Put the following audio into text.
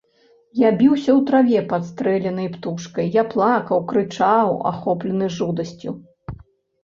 Я біўся ў траве падстрэленай птушкай, я плакаў, крычаў, ахоплены жудасцю.